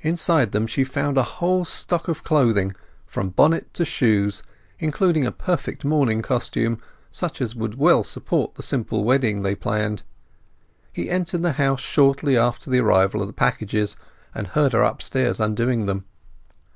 Inside them she found a whole stock of clothing, from bonnet to shoes, including a perfect morning costume, such as would well suit the simple wedding they planned. He entered the house shortly after the arrival of the packages, and heard her upstairs undoing them.